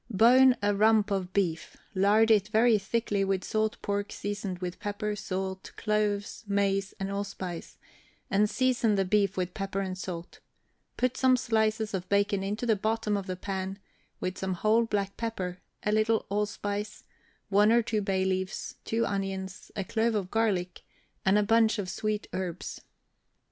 Bone a rump of beef, lard it very thickly with salt pork seasoned with pepper, salt, cloves, mace, and allspice, and season the beef with pepper and salt; put some slices of bacon into the bottom of the pan, with some whole black pepper, a little allspice, one or two bay leaves, two onions, a clove of garlic, and a bunch of sweet herbs.